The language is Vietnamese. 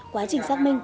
quá trình xác minh